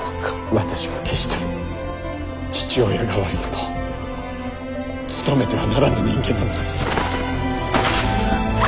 私は決して父親代わりなど務めてはならぬ人間なのです。